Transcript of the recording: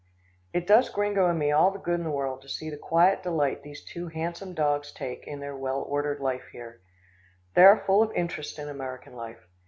It does Gringo and me all the good in the world to see the quiet delight these two handsome dogs take in their well ordered life here. They are full of interest in American life.